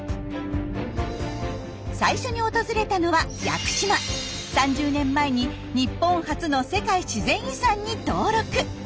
最初に訪れたのは３０年前に日本初の世界自然遺産に登録。